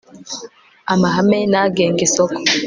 AMAHAME N AGENGA ISOKO